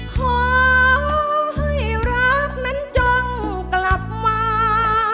ขอให้รักนั้นจ้องกลับมา